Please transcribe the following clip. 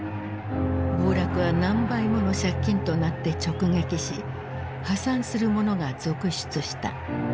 暴落は何倍もの借金となって直撃し破産する者が続出した。